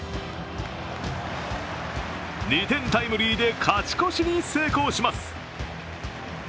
２点タイムリーで勝ち越しに成功します。